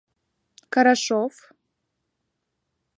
Карашов.